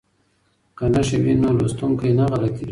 که نښې وي نو لوستونکی نه غلطیږي.